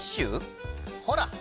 ほら！